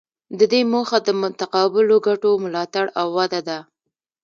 د دې موخه د متقابلو ګټو ملاتړ او وده ده